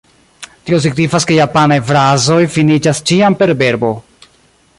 Tio signifas ke japanaj frazoj finiĝas ĉiam per verbo.